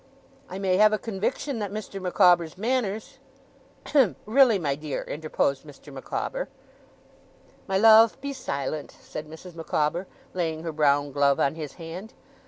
I may have a conviction that Mr. Micawber's manners ' 'Hem! Really, my dear,' interposed Mr. Micawber. 'My love, be silent,' said Mrs. Micawber, laying her brown glove on his hand.